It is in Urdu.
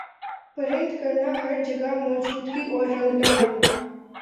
پرند کرنا ہَر جگہ موجودگی اور رنگنا رنگنا